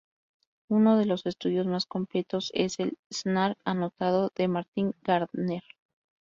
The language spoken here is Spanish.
Uno de los estudios más completos es "El Snark anotado", de Martin Gardner.